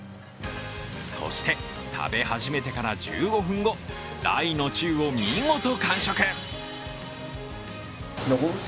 そして食べ始めてから１５分後、大の中を見事完食。